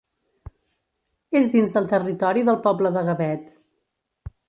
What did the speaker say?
És dins del territori del poble de Gavet.